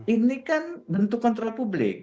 ini kan bentuk kontrol publik